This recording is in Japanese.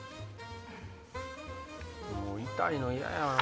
もう痛いの嫌や。